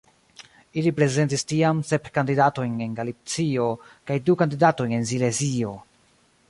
Ili prezentis tiam sep kandidatojn en Galicio kaj du kandidatojn en Silezio.